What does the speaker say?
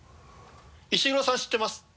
石黒さん知ってます。